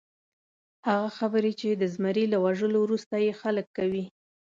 هغه خبرې چې د زمري له وژلو وروسته یې خلک کوي.